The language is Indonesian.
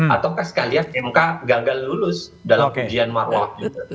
ataukah sekalian mk gagal lulus dalam ujian marwah